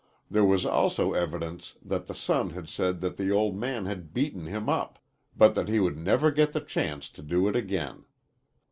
There was also evidence that the son had said that the old man had beaten him up, but that he would never get the chance to do it again.